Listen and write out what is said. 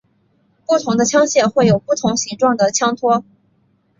不同的枪械会拥有不同形状的枪托。